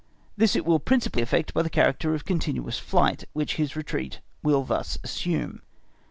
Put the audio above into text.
—This it will principally effect by the character of continuous flight, which his retreat will thus assume.